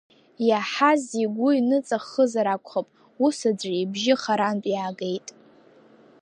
Иаҳаз игәы иныҵаххызар акәхап, ус аӡәы ибжьы харантә иаагеит.